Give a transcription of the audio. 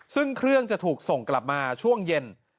ซึ่งเครื่องจะถูกส่งกลับมาช่วงเย็น